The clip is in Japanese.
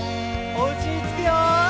おうちにつくよ。